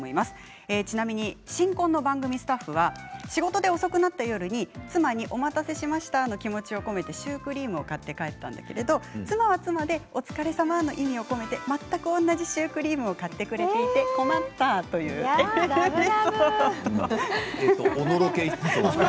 ちなみに新婚の番組スタッフは仕事で遅くなった夜に妻にお待たせしましたの気持ちを込めてシュークリームを買って帰ったところ妻は妻でお疲れさまの意味を込めて全く同じシュークリームを買ってくれていて困ったラブラブ。